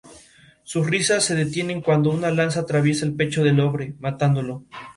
En muchos casos existen equipos conformados que compiten anualmente nivel inter-universitario.